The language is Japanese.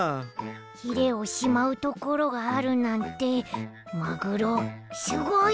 ヒレをしまうところがあるなんてマグロすごい！